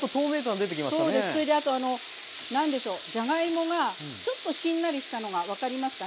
それであと何でしょうじゃがいもがちょっとしんなりしたのが分かりますかね？